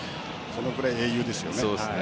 そのくらい英雄ですよね。